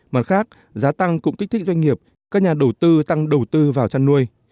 mặt khác giá tăng cũng kích thích doanh nghiệp các nhà đầu tư tăng đầu tư vào chăn nuôi